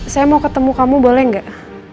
saya mau ketemu kamu boleh nggak